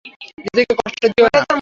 নিজেকে কষ্ট দিও না।